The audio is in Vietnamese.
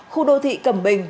khu đô thị cẩm bình